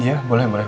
iya boleh boleh